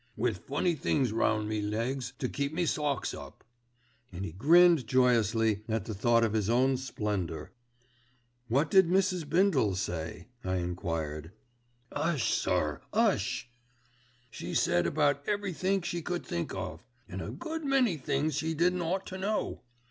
"Wi' funny things round me legs to keep me socks up," and he grinned joyously at the thought of his own splendour. "What did Mrs. Bindle say?" I enquired. "'Ush, sir, 'ush! She said about every think she could think of, and a good many things she didn't ought to know.